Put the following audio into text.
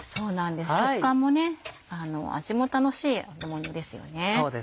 食感も味も楽しい揚げものですよね。